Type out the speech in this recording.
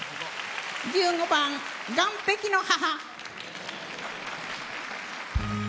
１５番「岸壁の母」。